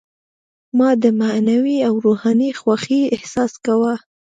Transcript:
ما د معنوي او روحاني خوښۍ احساس کاوه.